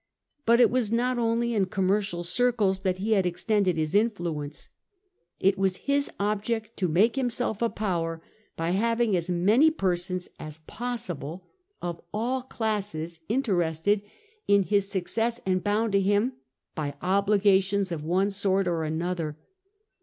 But it was not only in commercial circles that he had extended his influence ; it was his object to make himself a power, by having as many persons as ])ossible of all classes interested in his CRASSUS AS MONEY LENDER 171 success and bound to him by obligations of one sort and another.